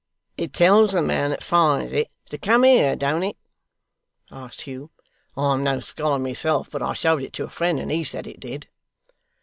'It tells the man that finds it, to come here, don't it?' asked Hugh. 'I'm no scholar, myself, but I showed it to a friend, and he said it did.